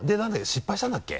失敗したんだっけ？